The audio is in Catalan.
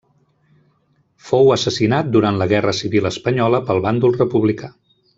Fou assassinat durant la Guerra civil espanyola pel bàndol republicà.